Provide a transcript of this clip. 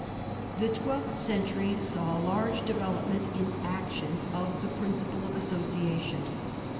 The twelfth century saw a large development in action of the principle of association.